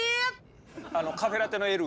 あのカフェラテのＬ。